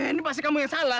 ini pasti kamu yang salah